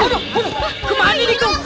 aduh aduh kemana ini kong